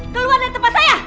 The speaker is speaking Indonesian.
keluar dari tempat saya